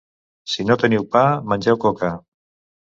Si no teniu pa, mengeu coca.